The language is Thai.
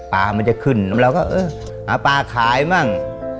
มันจะขึ้นเราก็เออหาปลาขายบ้าง